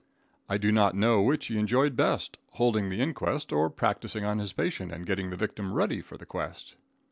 I do not know which he enjoyed best, holding the inquest or practicing on his patient and getting the victim ready for the quest.